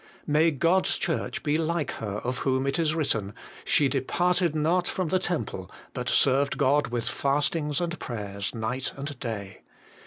May God's Church be like her of whom it is written, 'She departed not from the temple, but served God with fastings and prayers night and day.'